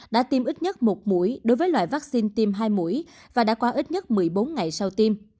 đã tiêm ít nhất một mũi đối với loại vaccine tiêm hai mũi và đã qua ít nhất một mươi bốn ngày sau tiêm